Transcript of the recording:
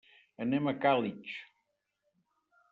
Anem a Càlig.